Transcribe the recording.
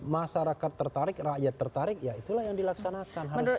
masyarakat tertarik rakyat tertarik ya itulah yang dilaksanakan